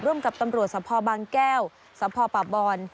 ร่วมกับตำรวจสะพอบางแก้วสะพอป่าบอน